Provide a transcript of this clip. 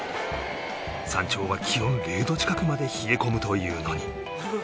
山頂は気温０度近くまで冷え込むというのに